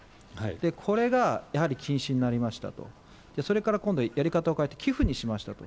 これがやはり禁止になりましたと、それから今度、やり方を変えて寄付にしましたと。